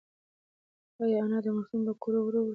ایا انا د ماشوم له کړو وړو ستړې ده؟